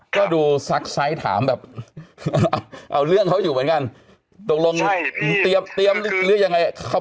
ก็ดูสักท้ายถามเอาเรื่องเขาอยู่เหมือนกัน